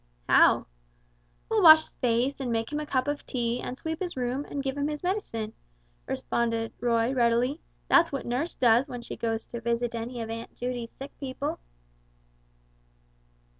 "How?" "We'll wash his face, and make him a cup of tea, and sweep his room, and give him his medicine," responded Roy, readily; "that's what nurse does when she goes to visit any of Aunt Judy's sick people."